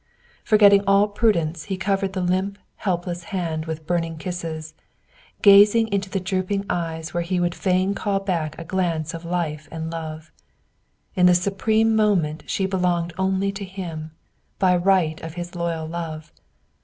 Forgetting all prudence, he covered the limp, helpless hand with burning kisses, gazing into the drooping eyes where he would fain call back a glance of life and love. In this supreme moment she belonged only to him, by right of his loyal love.